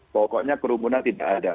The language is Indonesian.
pokoknya kerumunan tidak ada